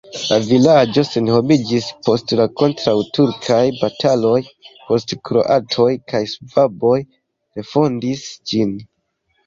La vilaĝo senhomiĝis post la kontraŭturkaj bataloj, poste kroatoj kaj ŝvaboj refondis ĝin.